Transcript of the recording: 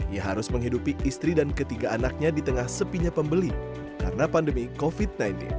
ia harus menghidupi istri dan ketiga anaknya di tengah sepinya pembeli karena pandemi covid sembilan belas